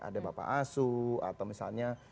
ada bapak asu atau misalnya